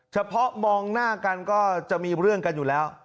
เฉพาะมองหน้ากันก็จะมีเรื่องกันอยู่แล้ว